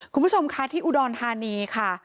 คุณผู้ชมค่ะที่อุดรธานีค่ะ